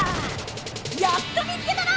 やっと見つけたな！